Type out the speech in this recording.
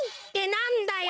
なんだよ！